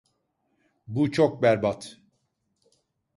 Bu çok berbat.